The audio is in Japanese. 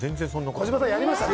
児嶋さん、やりましたね？